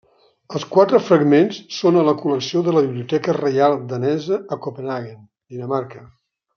Els quatre fragments són a la col·lecció de la Biblioteca Reial Danesa a Copenhaguen, Dinamarca.